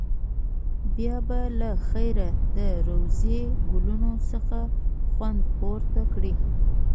بیا به له خیره د روضې د ګلونو څخه خوند پورته کړې.